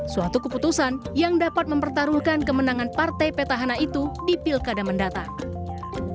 suatu keputusan yang dapat mempertaruhkan kemenangan partai petahana itu di pilkada mendatang